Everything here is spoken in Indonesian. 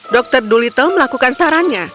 dokter dulita melakukan sarannya